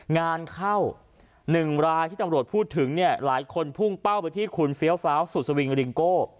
งานเข้า๑รายที่ตำรวจพูดถึงเนี่ยหลายคนพุ่งเป้าไปที่คุณเฟี้ยวฟ้าวสุสวิงริงโก้